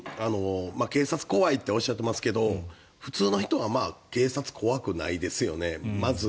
警察怖いとおっしゃってますけど普通の人は警察、怖くないですよね。